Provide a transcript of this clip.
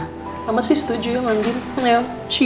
kamu setuju ya ngambil